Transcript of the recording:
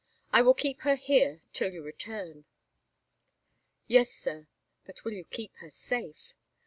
I will keep her here till you return." "Yes, Sir; but will you keep her safe?